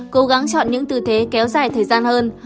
cố gắng chọn những tư thế kéo dài thời gian hơn